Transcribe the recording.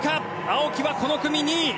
青木はこの組２位。